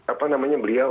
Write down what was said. apa namanya beliau